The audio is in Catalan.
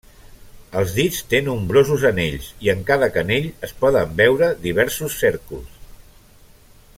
Als dits té nombrosos anells i en cada canell es poden veure diversos cèrcols.